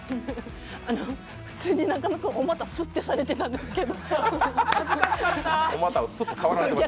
普通に中野君お股すってされてたんですけど。